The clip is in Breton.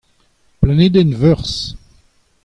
Planedenn Veurzh.